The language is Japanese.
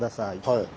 はい。